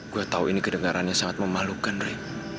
gue tahu ini kedengarannya sangat memalukan rey